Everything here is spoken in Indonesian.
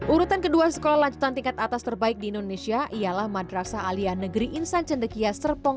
urutan kedua sekolah lanjutan tingkat atas terbaik di indonesia ialah madrasah alia negeri insan cendekia serpong